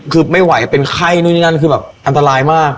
คือไม่ไหวเป็นไข้นู่นนี่นั่นคือแบบอันตรายมาก